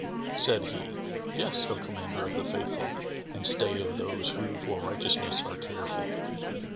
Said he, "Yes, O Commander of the Faithful and stay of those who for righteousness are care full!"